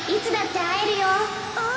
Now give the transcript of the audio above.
あっ？